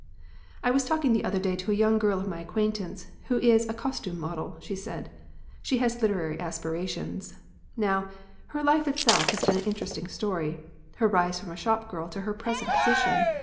"I was talking the other day to a young girl of my acquaintance who is a costume model," she said. "She has literary aspirations. Now, her life itself has been an interesting story her rise from a shopgirl to her present position.